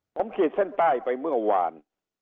ผมขีดเส้นใต้ไปเมื่อวาน